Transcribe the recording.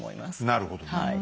なるほど。